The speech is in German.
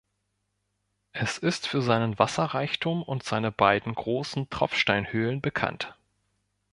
Es ist für seinen Wasserreichtum und seine beiden großen Tropfsteinhöhlen bekannt.